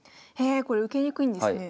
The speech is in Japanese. これ受けにくいんですね。